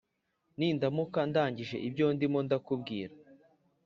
ni ndamuka ndangije ibyo ndimo ndakubwira